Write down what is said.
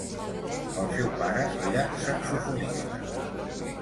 El seu pare era saxofonista.